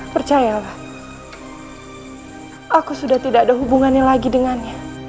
percayalah aku sudah tidak ada hubungannya lagi dengannya